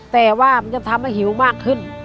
แต่ว่ามันจะทำให้หิวมากขึ้น